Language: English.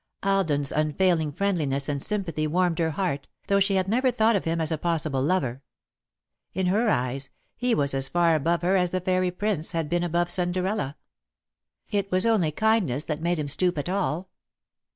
Alden's unfailing friendliness and sympathy warmed her heart, though she had never thought of him as a possible lover. In her eyes, he was as far above her as the fairy prince had been above Cinderella. It was only kindness that made him stoop at all.